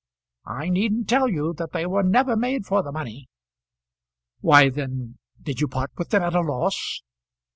I needn't tell you that they were never made for the money." "Why, then, did you part with them at a loss?"